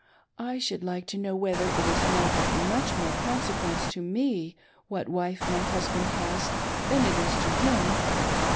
I should like to know whether it is not of much more conse quence to me what wife my husband has than it is to him?